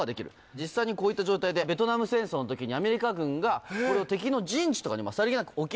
実際にこういった状態でベトナム戦争の時にアメリカ軍がこれを敵の陣地とかにさりげなく置きます。